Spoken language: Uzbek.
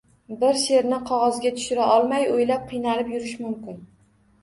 Bir she’rni qog‘ozga tushira olmay oylab qiynalib yurish mumkin